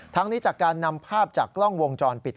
นี้จากการนำภาพจากกล้องวงจรปิด